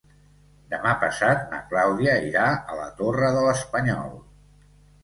Demà passat na Clàudia irà a la Torre de l'Espanyol.